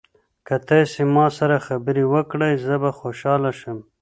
که تاسي ما سره خبرې وکړئ زه به خوشاله شم.